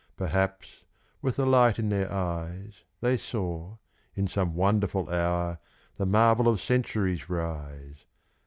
Perhaps, with the light in their eyes, They saw, in some wonderful hour, the marvel of centuries rise!